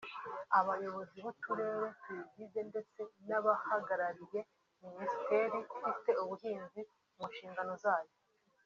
abayobozi b’uturere tuyigize ndetse n’abahagarariye Minisiteri ifite ubuhinzi mu nshingano zayo